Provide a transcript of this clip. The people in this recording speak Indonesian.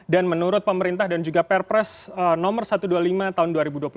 dan menurut pemerintah dan juga perpres nomor satu ratus dua puluh lima tahun dua ribu dua puluh